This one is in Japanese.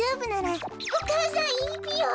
お母さんいいぴよ？